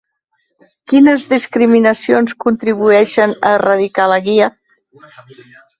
Quines discriminacions contribueix a erradicar la Guia?